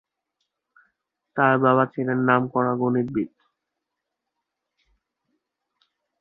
তার বাবা ছিলেন নামকরা গণিতবিদ।